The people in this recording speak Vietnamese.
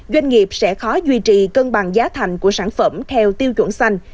doanh nghiệp sẽ khó duy trì cân bằng giá thành của sản phẩm theo tiêu chuẩn xanh